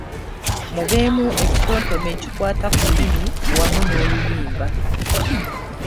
Mubeemu ekitontome ekikwata ku lulimi wamu n’oluyimba.